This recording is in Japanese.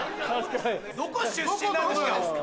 どこ出身なんですか？